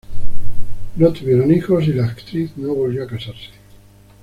No tuvieron hijos, y la actriz no volvió a casarse.